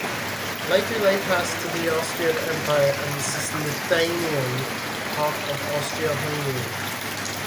Later they passed to the Austrian Empire and the Cisleithanian half of Austria-Hungary.